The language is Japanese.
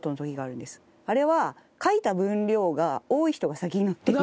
あれは書いた分量が多い人が先に載ってる。